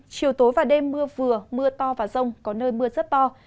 chiều tối và đêm mưa vừa mưa to và rông có nơi mưa rất to